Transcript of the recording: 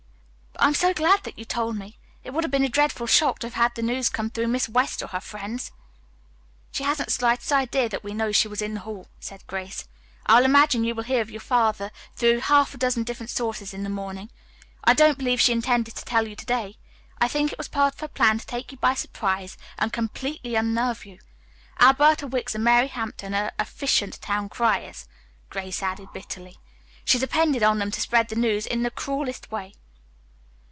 I'm so glad that you told me. It would have been a dreadful shock to have had the news come through Miss West or her friends." "She hasn't the slightest idea that we know she was in the hall," said Grace. "I imagine you will hear of your father through half a dozen different sources in the morning. I don't believe she intended to tell you to day. I think it was part of her plan to take you by surprise and completely unnerve you. Alberta Wicks and Mary Hampton are efficient town criers," Grace added bitterly. "She depended on them to spread the news in the cruelest way."